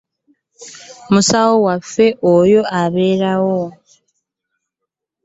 Musawo waffe oyo abeera wa?